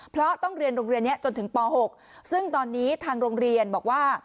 เพราะต้องเรียนโรงเรียนนี้จนถึงป๖ซึ่งตอนนี้ทางโรงเรียนบอกว่า